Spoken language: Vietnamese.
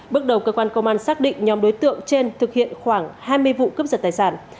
bước đầu cơ quan công an xác định nhóm đối tượng trên thực hiện khoảng hai mươi vụ cướp giật tài sản